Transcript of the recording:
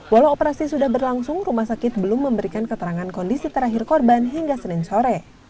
walau operasi sudah berlangsung rumah sakit belum memberikan keterangan kondisi terakhir korban hingga senin sore